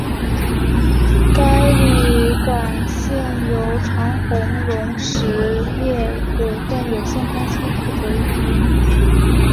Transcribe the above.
该旅馆现由长鸿荣实业股份有限公司负责营运。